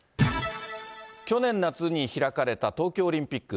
去年夏に開かれた東京オリンピック。